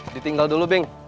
ditinggal dulu beng